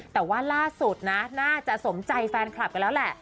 แต่ว่าล่าสุดนะน่าจะสมใจแฟนคลับกันแล้วแหละ